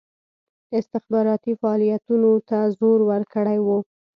استخباراتي فعالیتونو ته زور ورکړی وو.